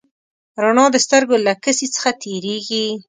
رڼا د سترګو له کسي څخه تېرېږي.